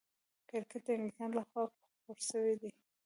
کرکټ د انګلستان له خوا خپور سوی دئ.